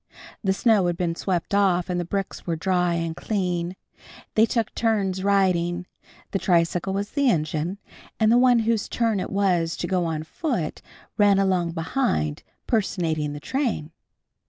The snow had been swept off and the bricks were dry and clean. They took turns riding. The tricycle was the engine, and the one whose turn it was to go on foot ran along behind, personating the train.